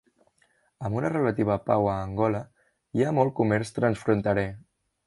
Amb una relativa pau a Angola, hi ha molt comerç transfronterer.